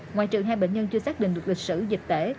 ngoài trừ hai bệnh nhân chưa xác định được lịch sử dịch tễ